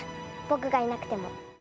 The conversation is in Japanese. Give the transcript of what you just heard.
僕がいなくても。